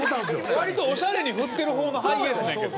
割とオシャレに振ってる方のハイエースなんやけど。